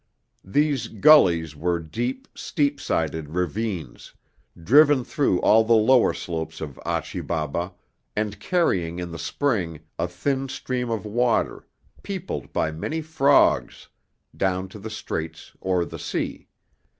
These 'gullies' were deep, steep sided ravines, driven through all the lower slopes of Achi Baba, and carrying in the spring a thin stream of water, peopled by many frogs, down to the Straits or the sea.